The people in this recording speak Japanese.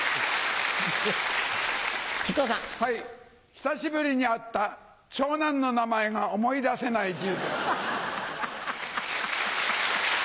久しぶりに会った長男の名前が思い出せない１０秒。